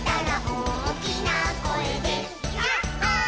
「おおきなこえでヤッホー」